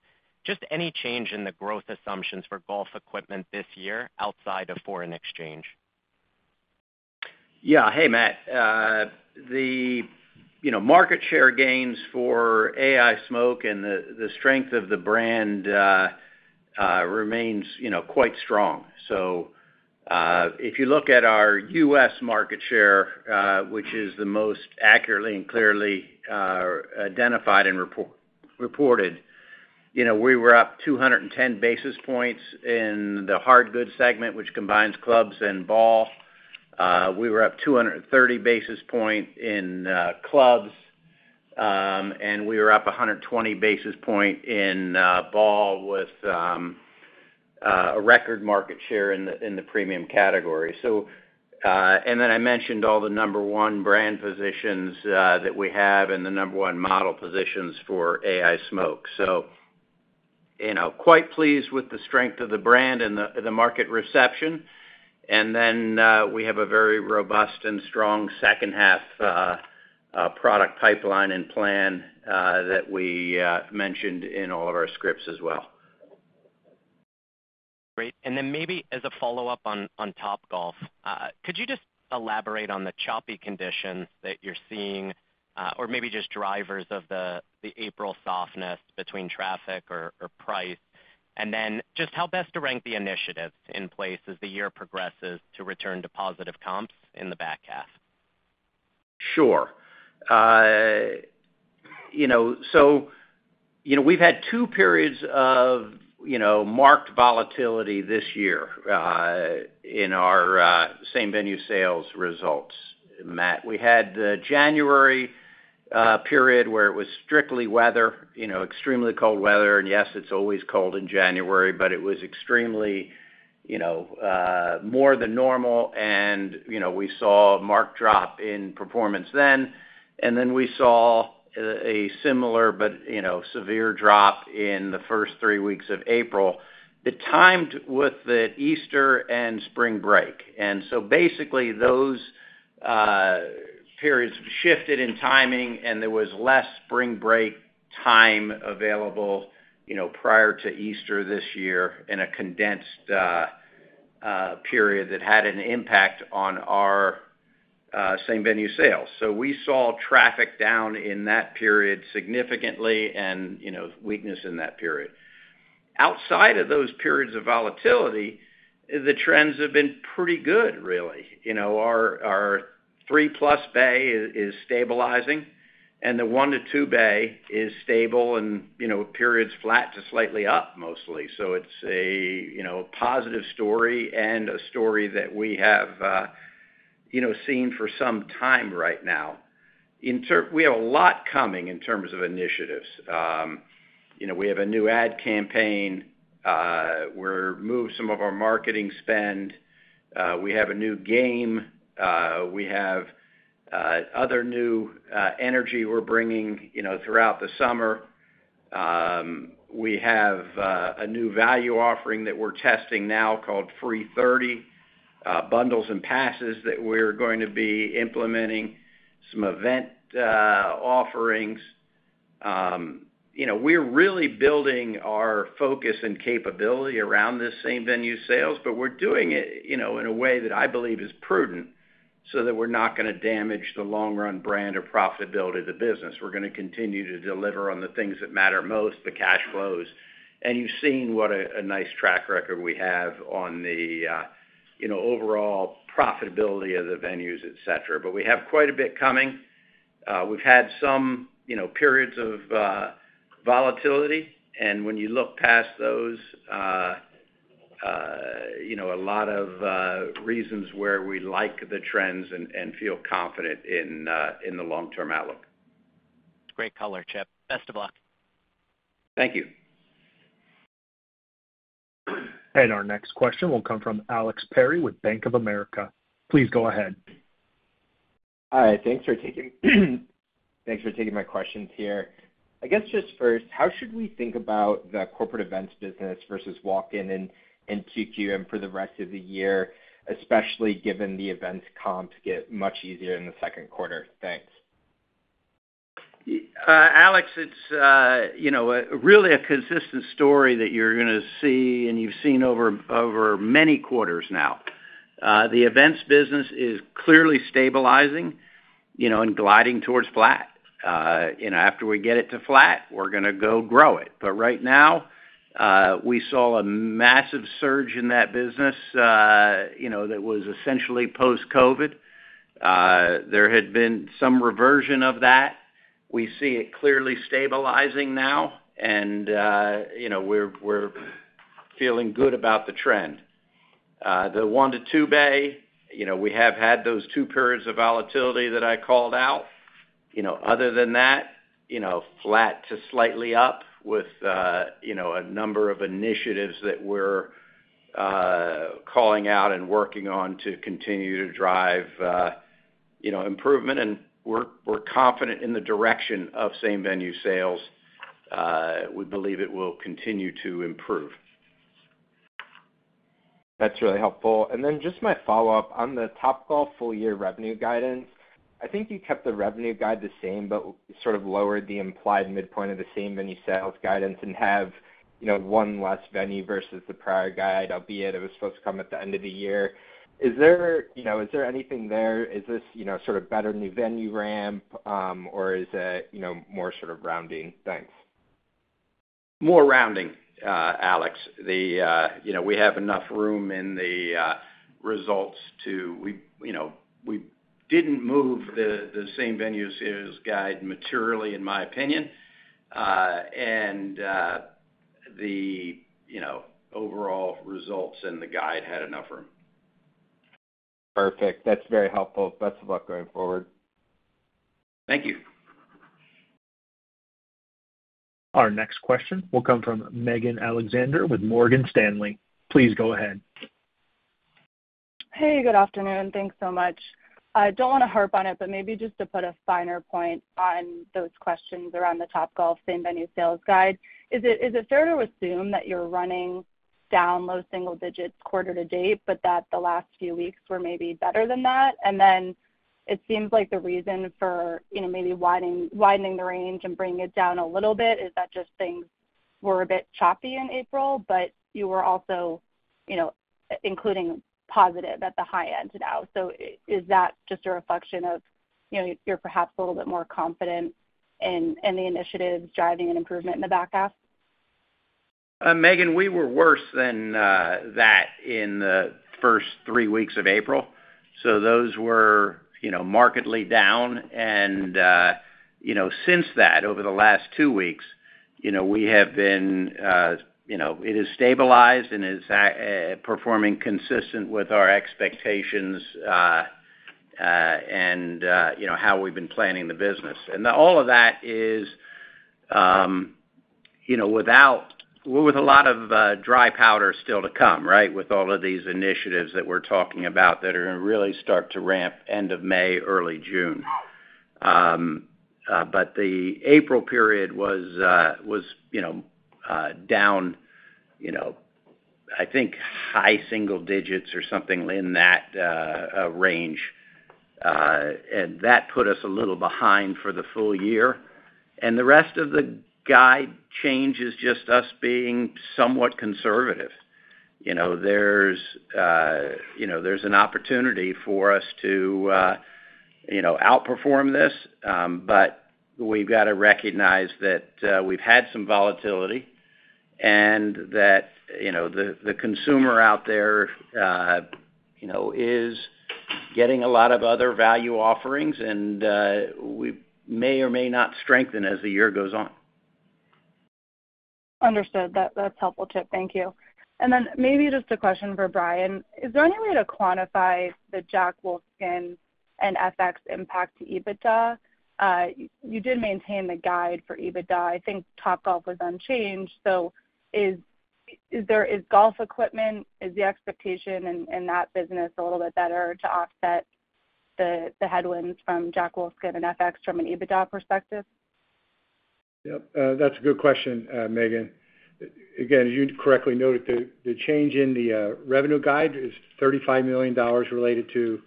Just any change in the growth assumptions for golf equipment this year outside of foreign exchange? Yeah. Hey, Matt. The market share gains for AI Smoke and the strength of the brand remains quite strong. So if you look at our U.S. market share, which is the most accurately and clearly identified and reported, we were up 210 basis points in the hard goods segment, which combines clubs and ball. We were up 230 basis points in clubs, and we were up 120 basis points in ball with a record market share in the premium category. And then I mentioned all the number one brand positions that we have and the number one model positions for AI Smoke. So quite pleased with the strength of the brand and the market reception. And then we have a very robust and strong second half product pipeline and plan that we mentioned in all of our scripts as well. Great. And then maybe as a follow-up on Topgolf, could you just elaborate on the choppy conditions that you're seeing or maybe just drivers of the April softness between traffic or price, and then just how best to rank the initiatives in place as the year progresses to return to positive comps in the back half? Sure. So we've had two periods of marked volatility this year in our same-venue sales results, Matt. We had the January period where it was strictly weather, extremely cold weather. And yes, it's always cold in January, but it was extremely more than normal, and we saw a marked drop in performance then. Then we saw a similar but severe drop in the first 3 weeks of April that timed with Easter and spring break. So basically, those periods shifted in timing, and there was less spring break time available prior to Easter this year in a condensed period that had an impact on our same-venue sales. So we saw traffic down in that period significantly and weakness in that period. Outside of those periods of volatility, the trends have been pretty good, really. Our 3-plus bay is stabilizing, and the 1- to 2-bay is stable and periods flat to slightly up mostly. So it's a positive story and a story that we have seen for some time right now. We have a lot coming in terms of initiatives. We have a new ad campaign. We're moving some of our marketing spend. We have a new game. We have other new energy we're bringing throughout the summer. We have a new value offering that we're testing now called Free 30, bundles and passes that we're going to be implementing, some event offerings. We're really building our focus and capability around this same venue sales, but we're doing it in a way that I believe is prudent so that we're not going to damage the long-run brand or profitability of the business. We're going to continue to deliver on the things that matter most, the cash flows. You've seen what a nice track record we have on the overall profitability of the venues, etc. We have quite a bit coming. We've had some periods of volatility, and when you look past those, a lot of reasons where we like the trends and feel confident in the long-term outlook. Great color, Chip. Best of luck. Thank you. Our next question will come from Alex Perry with Bank of America. Please go ahead. All right. Thanks for taking my questions here. I guess just first, how should we think about the corporate events business versus walk-in and QQM for the rest of the year, especially given the events comps get much easier in the second quarter? Thanks. Alex, it's really a consistent story that you're going to see, and you've seen over many quarters now. The events business is clearly stabilizing and gliding towards flat. After we get it to flat, we're going to go grow it. But right now, we saw a massive surge in that business that was essentially post-COVID. There had been some reversion of that. We see it clearly stabilizing now, and we're feeling good about the trend. The 1- to 2-bay, we have had those two periods of volatility that I called out. Other than that, flat to slightly up with a number of initiatives that we're calling out and working on to continue to drive improvement. And we're confident in the direction of same venue sales. We believe it will continue to improve. That's really helpful. And then just my follow-up on the Topgolf full-year revenue guidance, I think you kept the revenue guide the same but sort of lowered the implied midpoint of the same venue sales guidance and have one less venue versus the prior guide, albeit it was supposed to come at the end of the year. Is there anything there? Is this sort of better new venue ramp, or is it more sort of rounding? Thanks. More rounding, Alex. We have enough room in the results too. We didn't move the same venue sales guide materially, in my opinion. The overall results in the guide had enough room. Perfect. That's very helpful. Best of luck going forward. Thank you. Our next question will come from Megan Alexander with Morgan Stanley. Please go ahead. Hey. Good afternoon. Thanks so much. I don't want to harp on it, but maybe just to put a finer point on those questions around the Topgolf same venue sales guide, is it fair to assume that you're running down low single digits quarter to date, but that the last few weeks were maybe better than that? Then it seems like the reason for maybe widening the range and bringing it down a little bit is that just things were a bit choppy in April, but you were also including positive at the high end now. So is that just a reflection of you're perhaps a little bit more confident in the initiatives driving an improvement in the back half? Megan, we were worse than that in the first 3 weeks of April. So those were markedly down. And since that, over the last two weeks, we have been it has stabilized and is performing consistent with our expectations and how we've been planning the business. And all of that is without with a lot of dry powder still to come, right, with all of these initiatives that we're talking about that are going to really start to ramp end of May, early June. But the April period was down, I think, high single digits or something in that range. And that put us a little behind for the full year. And the rest of the guide change is just us being somewhat conservative. There's an opportunity for us to outperform this, but we've got to recognize that we've had some volatility and that the consumer out there is getting a lot of other value offerings, and we may or may not strengthen as the year goes on. Understood. That's helpful, Chip. Thank you. And then maybe just a question for Brian. Is there any way to quantify the Jack Wolfskin and FX impact to EBITDA? You did maintain the guide for EBITDA. I think Topgolf was unchanged. So is golf equipment is the expectation in that business a little bit better to offset the headwinds from Jack Wolfskin and FX from an EBITDA perspective? Yep. That's a good question, Megan. Again, as you correctly noted, the change in the revenue guide is $35 million related to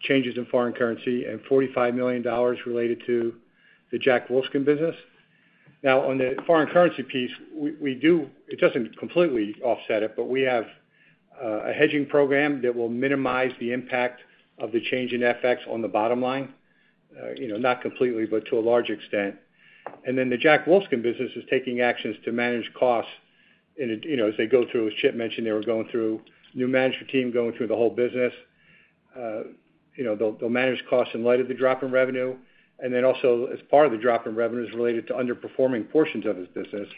changes in foreign currency and $45 million related to the Jack Wolfskin business. Now, on the foreign currency piece, we do. It doesn't completely offset it, but we have a hedging program that will minimize the impact of the change in FX on the bottom line, not completely but to a large extent. And then the Jack Wolfskin business is taking actions to manage costs as they go through, as Chip mentioned, they were going through new management team going through the whole business. They'll manage costs in light of the drop in revenue. Then also, as part of the drop in revenue is related to underperforming portions of his business.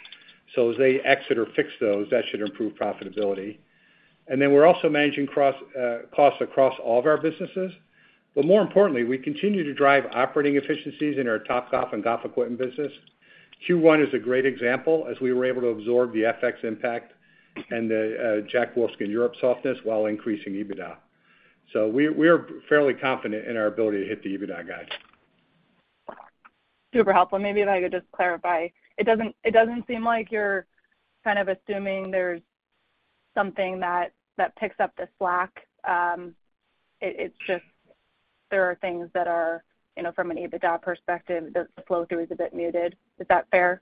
So as they exit or fix those, that should improve profitability. We're also managing costs across all of our businesses. But more importantly, we continue to drive operating efficiencies in our Topgolf and golf equipment business. Q1 is a great example as we were able to absorb the FX impact and the Jack Wolfskin Europe softness while increasing EBITDA. So we are fairly confident in our ability to hit the EBITDA guide. Super helpful. Maybe if I could just clarify, it doesn't seem like you're kind of assuming there's something that picks up the slack. It's just there are things that are from an EBITDA perspective, the flow-through is a bit muted. Is that fair?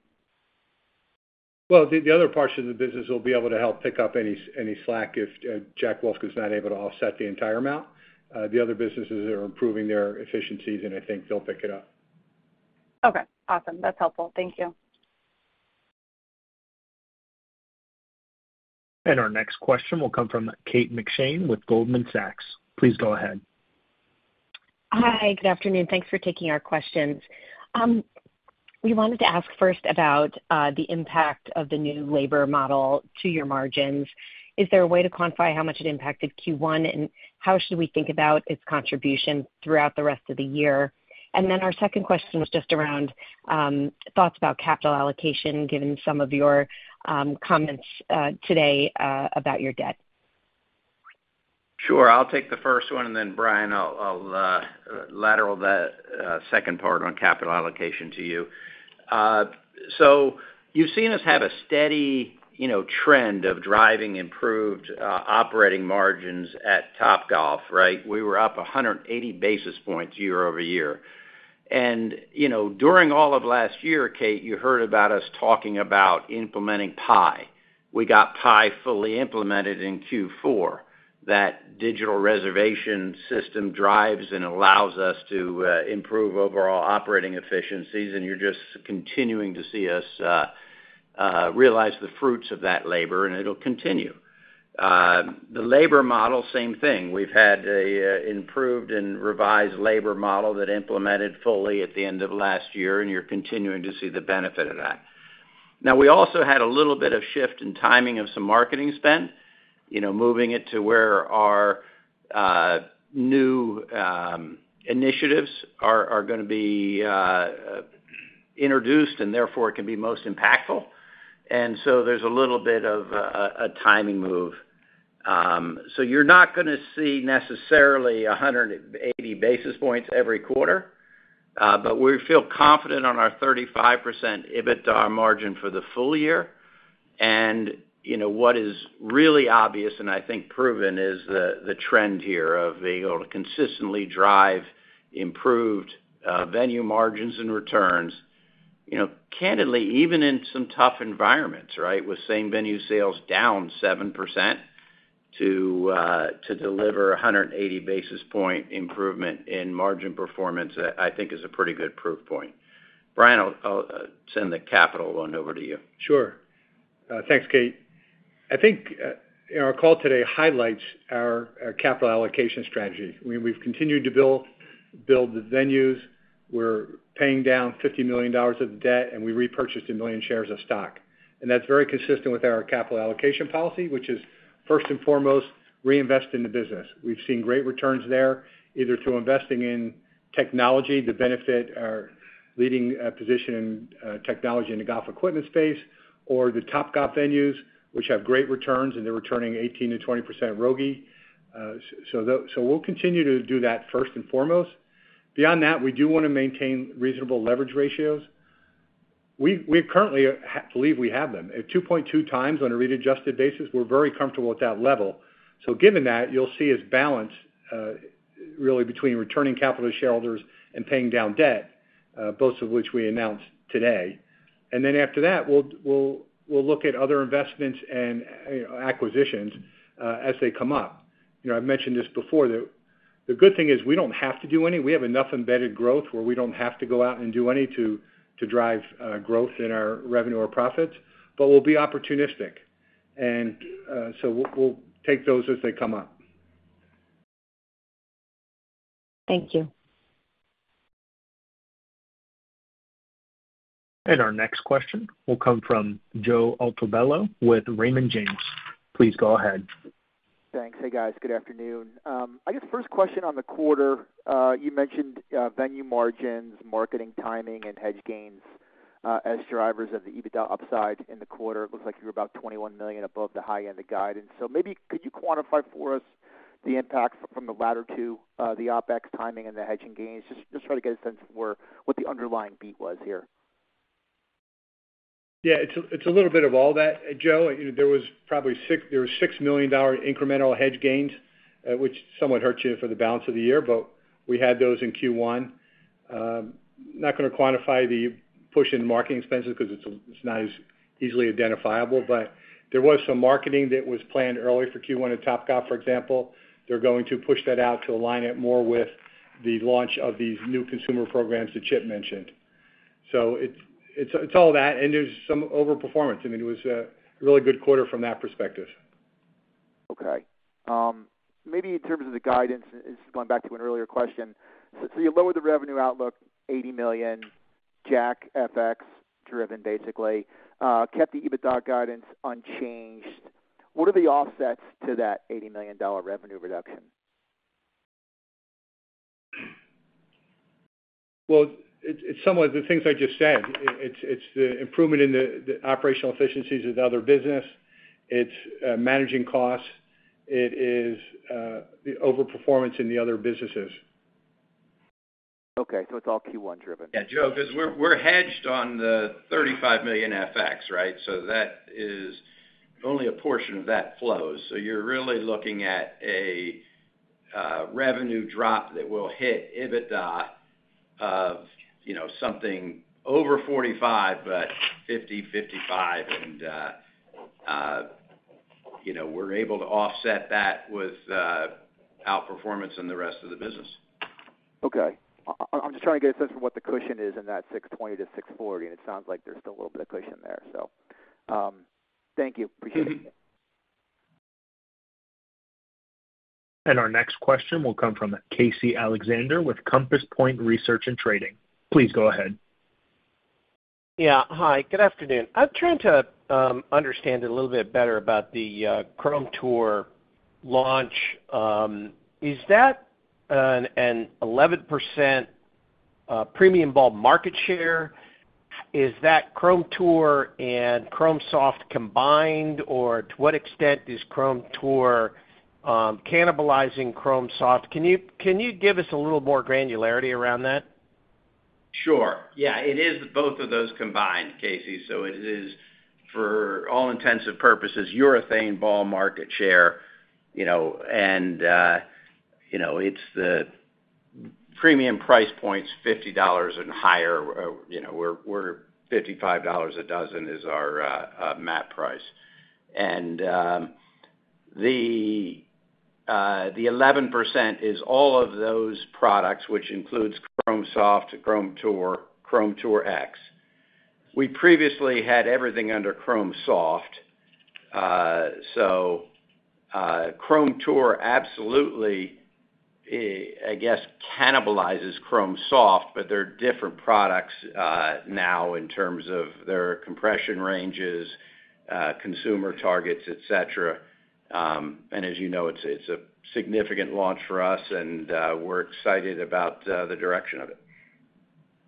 Well, the other portion of the business will be able to help pick up any slack if Jack Wolfskin is not able to offset the entire amount. The other businesses are improving their efficiencies, and I think they'll pick it up. Okay. Awesome. That's helpful. Thank you. And our next question will come from Kate McShane with Goldman Sachs. Please go ahead. Hi. Good afternoon. Thanks for taking our questions. We wanted to ask first about the impact of the new labor model to your margins. Is there a way to quantify how much it impacted Q1, and how should we think about its contribution throughout the rest of the year? And then our second question was just around thoughts about capital allocation given some of your comments today about your debt. Sure. I'll take the first one, and then Brian, I'll lateral that second part on capital allocation to you. So you've seen us have a steady trend of driving improved operating margins at Topgolf, right? We were up 180 basis points year-over-year. And during all of last year, Kate, you heard about us talking about implementing PIE. We got PIE fully implemented in Q4. That digital reservation system drives and allows us to improve overall operating efficiencies, and you're just continuing to see us realize the fruits of that labor, and it'll continue. The labor model, same thing. We've had an improved and revised labor model that implemented fully at the end of last year, and you're continuing to see the benefit of that. Now, we also had a little bit of shift in timing of some marketing spend, moving it to where our new initiatives are going to be introduced and therefore can be most impactful. And so there's a little bit of a timing move. So you're not going to see necessarily 180 basis points every quarter, but we feel confident on our 35% EBITDA margin for the full year. And what is really obvious and I think proven is the trend here of being able to consistently drive improved venue margins and returns, candidly, even in some tough environments, right, with same venue sales down 7% to deliver 180 basis point improvement in margin performance, I think is a pretty good proof point. Brian, I'll send the capital allocation over to you. Sure. Thanks, Kate. I think our call today highlights our capital allocation strategy. I mean, we've continued to build the venues. We're paying down $50 million of the debt, and we repurchased 1 million shares of stock. That's very consistent with our capital allocation policy, which is first and foremost, reinvest in the business. We've seen great returns there either through investing in technology, the leading position in technology in the golf equipment space, or the Topgolf venues, which have great returns, and they're returning 18%-20% ROGI. So we'll continue to do that first and foremost. Beyond that, we do want to maintain reasonable leverage ratios. We currently believe we have them. At 2.2 times on an adjusted basis, we're very comfortable at that level. So given that, you'll see us balance really between returning capital to shareholders and paying down debt, both of which we announced today. And then after that, we'll look at other investments and acquisitions as they come up. I've mentioned this before. The good thing is we don't have to do any. We have enough embedded growth where we don't have to go out and do any to drive growth in our revenue or profits, but we'll be opportunistic. And so we'll take those as they come up. Thank you. And our next question will come from Joe Altobello with Raymond James. Please go ahead. Thanks. Hey, guys. Good afternoon. I guess first question on the quarter, you mentioned venue margins, marketing timing, and hedge gains as drivers of the EBITDA upside in the quarter. It looks like you were about $21 million above the high end of the guide. And so maybe could you quantify for us the impact from the latter two, the OpEx timing and the hedging gains? Just try to get a sense of what the underlying beat was here. Yeah. It's a little bit of all that, Joe. There were $6 million incremental hedge gains, which somewhat hurts you for the balance of the year, but we had those in Q1. Not going to quantify the push in marketing expenses because it's not as easily identifiable, but there was some marketing that was planned early for Q1 at Topgolf, for example. They're going to push that out to align it more with the launch of these new consumer programs that Chip mentioned. So it's all that, and there's some overperformance. I mean, it was a really good quarter from that perspective. Okay. Maybe in terms of the guidance, and this is going back to an earlier question, so you lowered the revenue outlook, $80 million, Jack FX-driven basically, kept the EBITDA guidance unchanged. What are the offsets to that $80 million revenue reduction? Well, it's somewhat the things I just said. It's the improvement in the operational efficiencies of the other business. It's managing costs. It is the overperformance in the other businesses. Okay. So it's all Q1-driven. Yeah, Joe, because we're hedged on the $35 million FX, right? So only a portion of that flows. So you're really looking at a revenue drop that will hit EBITDA of something over $45 million but $50 million, $55 million. And we're able to offset that with outperformance in the rest of the business. Okay. I'm just trying to get a sense for what the cushion is in that $620-$640, and it sounds like there's still a little bit of cushion there, so. Thank you. Appreciate it. And our next question will come from Casey Alexander with Compass Point Research and Trading. Please go ahead. Yeah. Hi. Good afternoon. I'm trying to understand a little bit better about the Chrome Tour launch. Is that an 11% premium ball market share? Is that Chrome Tour and Chrome Soft combined, or to what extent is Chrome Tour cannibalizing Chrome Soft? Can you give us a little more granularity around that? Sure. Yeah. It is both of those combined, Casey. So it is, for all intents and purposes, urethane ball market share, and it's the premium price points, $50 and higher. We're $55 a dozen is our MAP price. The 11% is all of those products, which includes Chrome Soft, Chrome Tour, Chrome Tour X. We previously had everything under Chrome Soft. So Chrome Tour absolutely, I guess, cannibalizes Chrome Soft, but they're different products now in terms of their compression ranges, consumer targets, etc. And as you know, it's a significant launch for us, and we're excited about the direction of it.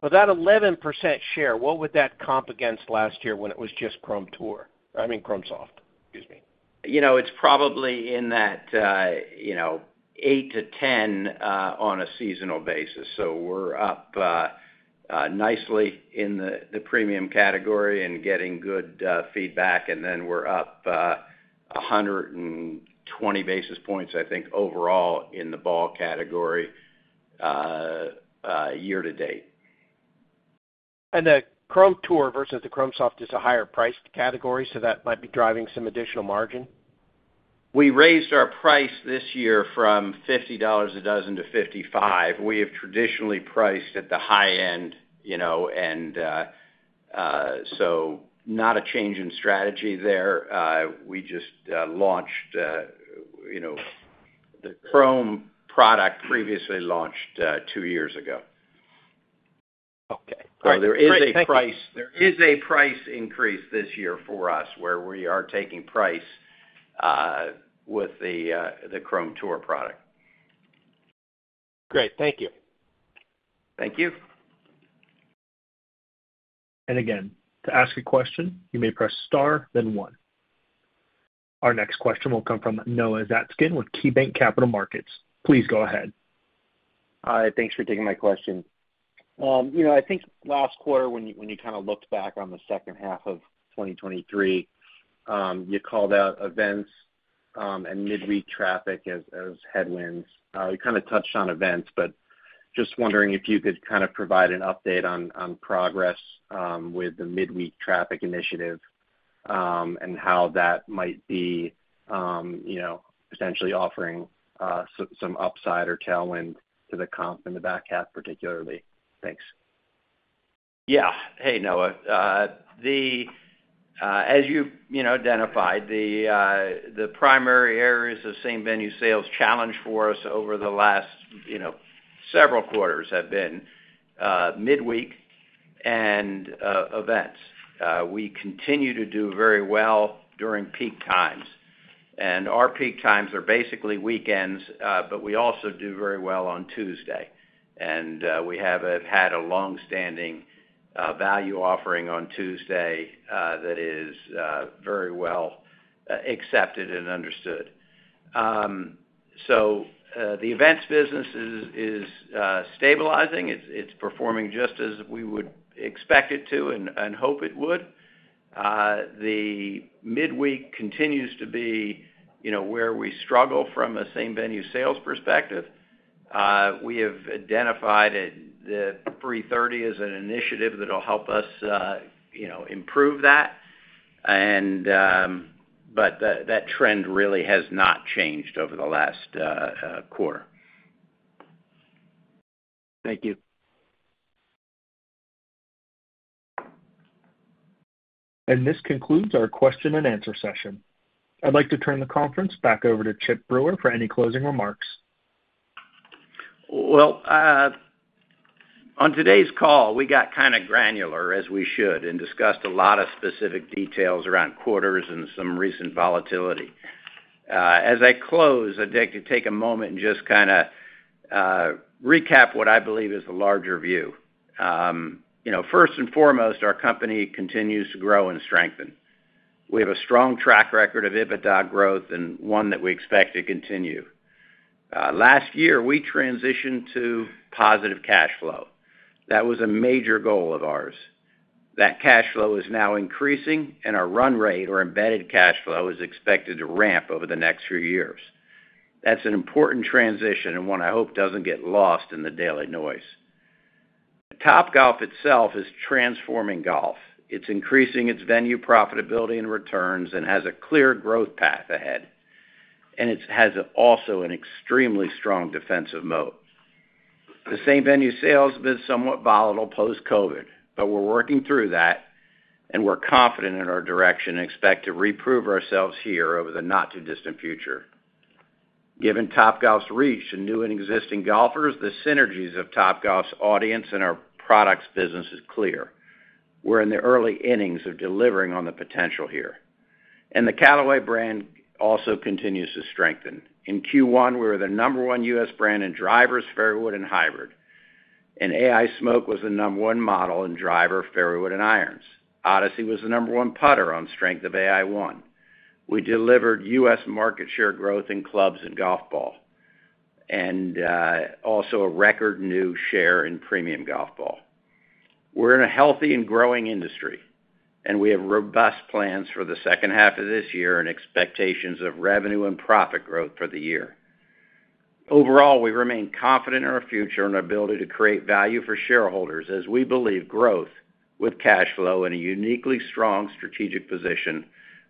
Well, that 11% share, what would that comp against last year when it was just Chrome Tour? I mean, Chrome Soft. Excuse me. It's probably in that 8%-10% on a seasonal basis. So we're up nicely in the premium category and getting good feedback, and then we're up 120 basis points, I think, overall in the ball category year to date. And the Chrome Tour versus the Chrome Soft is a higher-priced category, so that might be driving some additional margin? We raised our price this year from $50 a dozen to $55. We have traditionally priced at the high end, and so not a change in strategy there. We just launched the Chrome product previously launched two years ago. So there is a price there is a price increase this year for us where we are taking price with the Chrome Tour product. Great. Thank you. Thank you. And again, to ask a question, you may press star, then one. Our next question will come from Noah Zatzkin with KeyBanc Capital Markets. Please go ahead. Hi. Thanks for taking my question. I think last quarter, when you kind of looked back on the second half of 2023, you called out events and midweek traffic as headwinds. You kind of touched on events, but just wondering if you could kind of provide an update on progress with the midweek traffic initiative and how that might be potentially offering some upside or tailwind to the comp in the back half particularly? Thanks. Yeah. Hey, Noah. As you've identified, the primary areas of same-venue sales challenge for us over the last several quarters have been midweek and events. We continue to do very well during peak times. Our peak times are basically weekends, but we also do very well on Tuesday. We have had a longstanding value offering on Tuesday that is very well accepted and understood. So the events business is stabilizing. It's performing just as we would expect it to and hope it would. The midweek continues to be where we struggle from a same-venue sales perspective. We have identified the 330 as an initiative that'll help us improve that, but that trend really has not changed over the last quarter. Thank you. This concludes our question-and-answer session. I'd like to turn the conference back over to Chip Brewer for any closing remarks. Well, on today's call, we got kind of granular as we should and discussed a lot of specific details around quarters and some recent volatility. As I close, I'd like to take a moment and just kind of recap what I believe is the larger view. First and foremost, our company continues to grow and strengthen. We have a strong track record of EBITDA growth and one that we expect to continue. Last year, we transitioned to positive cash flow. That was a major goal of ours. That cash flow is now increasing, and our run rate, or embedded cash flow, is expected to ramp over the next few years. That's an important transition and one I hope doesn't get lost in the daily noise. Topgolf itself is transforming golf. It's increasing its venue profitability and returns and has a clear growth path ahead. And it has also an extremely strong defensive moat. The same-venue sales have been somewhat volatile post-COVID, but we're working through that, and we're confident in our direction and expect to reprove ourselves here over the not-too-distant future. Given Topgolf's reach to new and existing golfers, the synergies of Topgolf's audience and our products business is clear. We're in the early innings of delivering on the potential here. And the Callaway brand also continues to strengthen. In Q1, we were the number one U.S. brand in drivers, fairway wood, and hybrid. Ai Smoke was the number one model in driver, fairway, and irons. Odyssey was the number one putter on strength of Ai-One. We delivered U.S. market share growth in clubs and golf balls and also a record market share in premium golf balls. We're in a healthy and growing industry, and we have robust plans for the second half of this year and expectations of revenue and profit growth for the year. Overall, we remain confident in our future and our ability to create value for shareholders as we believe growth with cash flow and a uniquely strong strategic position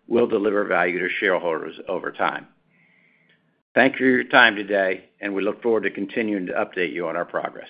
will deliver value to shareholders over time. Thank you for your time today, and we look forward to continuing to update you on our progress.